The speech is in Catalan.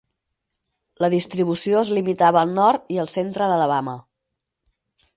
La distribució es limitava al nord i al centre d'Alabama.